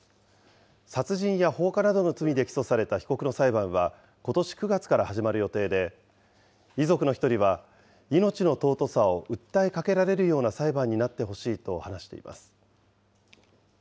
殺人や放火などの罪で起訴された被告の裁判は、ことし９月から始まる予定で、遺族の１人は、命の尊さを訴えかけられるような裁判になってほしいと話しています。